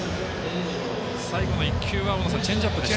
最後の１球はチェンジアップでした。